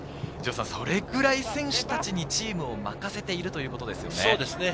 それぐらい選手たちにチームを任せているということですね。